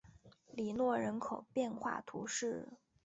里诺人口变化图示